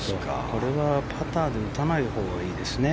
これはパターで打たないほうがいいですね。